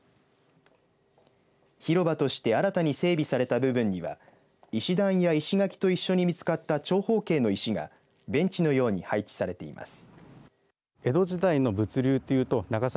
広場として新たに整備された部分には石段や石垣と一緒に見つかった長方形の石がベンチのように配置されています。